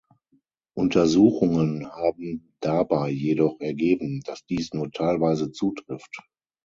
Untersuchungen haben dabei jedoch ergeben, dass dies nur teilweise zutrifft.